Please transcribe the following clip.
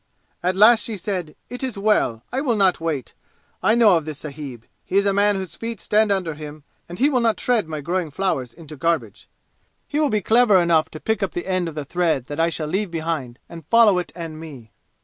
"At last she said, 'It is well; I will not wait! I know of this sahib. He is a man whose feet stand under him and he will not tread my growing flowers into garbage! He will be clever enough to pick up the end of the thread that I shall leave behind and follow it and me!